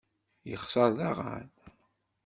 Yexser daɣen?